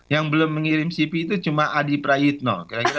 yang belum mengirim cp itu cuma adi prayitno